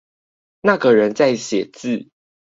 那個人在寫字